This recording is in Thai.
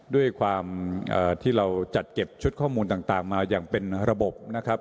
ด้วยความที่เราจัดเก็บชุดข้อมูลต่างมาอย่างเป็นระบบนะครับ